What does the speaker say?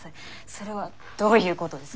それはどういうことですか？